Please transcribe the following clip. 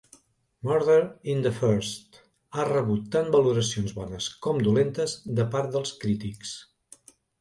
"Murder in the First" ha rebut tant valoracions bones com dolentes de part dels crítics.